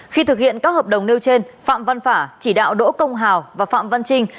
khi thực hiện các hợp đồng nêu trên phạm văn phả chỉ đạo đỗ công hào và phạm văn trinh